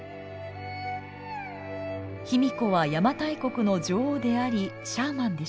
卑弥呼は邪馬台国の女王でありシャーマンでした。